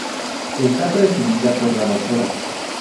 Esta presidida por la Dra.